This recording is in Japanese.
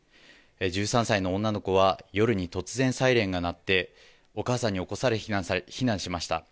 １３歳の女の子は、夜に突然サイレンが鳴って、お母さんに起こされ、避難しました。